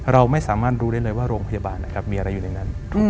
เราไม่สามารถรู้ได้เลยว่าโรงพยาบาลนะครับมีอะไรอยู่ในนั้น